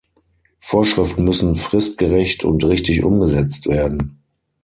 Vorschriften müssen fristgerecht und richtig umgesetzt werden.